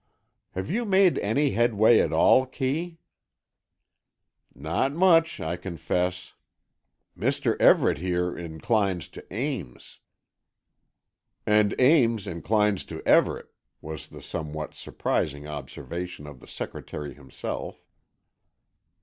"Have you made any headway at all, Kee?" "Not much, I confess. Mr. Everett here inclines to Ames——" "And Ames inclines to Everett," was the somewhat surprising observation of the secretary himself.